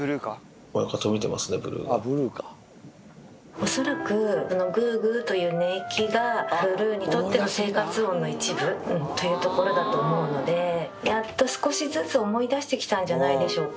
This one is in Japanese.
おっ、恐らく、ぐーぐーという寝息が、ブルーにとっての生活音の一部というところだと思うので、やっと少しずつ思い出してきたんじゃないでしょうか。